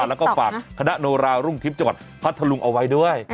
แล้วก็ฝากคณะโนรารุ่งทิปจากข้าทะลุงเอาไว้ด้วย